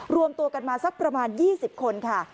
รวมตัวกันมาสักประมาณ๒๐คนค่ะ